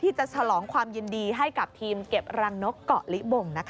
จะฉลองความยินดีให้กับทีมเก็บรังนกเกาะลิบง